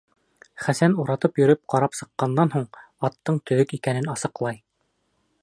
Хәсән уратып йөрөп ҡарап сыҡҡандан һуң, аттың төҙөк икәнен асыҡлай.